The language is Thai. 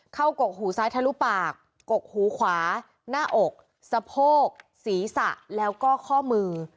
กกหูซ้ายทะลุปากกกหูขวาหน้าอกสะโพกศีรษะแล้วก็ข้อมือ